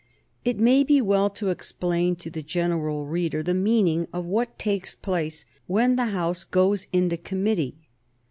It may be well to explain to the general reader the meaning of what takes place when the House goes into committee.